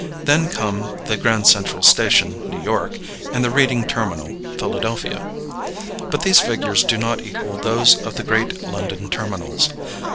Then come the Grand Central Station, New York, and the Reading Terminal, Philadelphia. But these figures do not equal those of the great London terminals.